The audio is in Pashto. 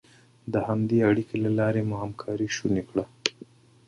د همدې اړیکې له لارې مو همکاري شونې کړه.